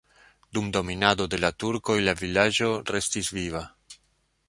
Dum dominado de la turkoj la vilaĝo restis viva.